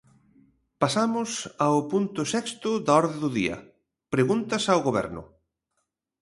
Pasamos ao punto sexto da orde do día, preguntas ao Goberno.